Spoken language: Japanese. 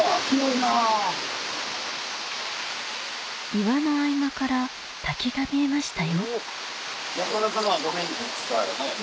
岩の合間から滝が見えましたよ・